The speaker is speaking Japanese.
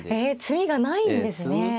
え詰みがないんですね。